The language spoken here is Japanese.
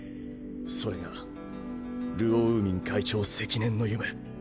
それがルオ・ウーミン会長積年の夢。